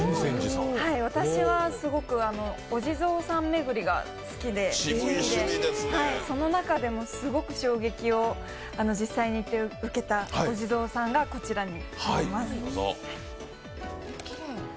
私はすごくお地蔵さん巡りが好きでその中でもすごく衝撃を実際に行って受けたお地蔵さんがこちらです。